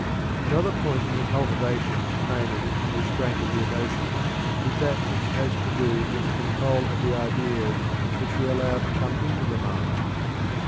Another point in the cultivation, training, and restraint of the emotions is that which has to do with the control of the ideas which we allow to come into the mind.